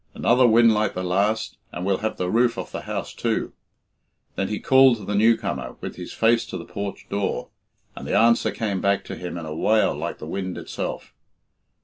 Another wind like the last and we'll have the roof off the house too." Then he called to the new comer, with his face to the porch door, and the answer came back to him in a wail like the wind itself.